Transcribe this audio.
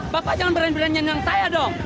bapak jangan berani berani nyanyi sama saya dong